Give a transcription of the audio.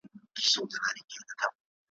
خو دانو ته یې زړه نه سو ټینګولای `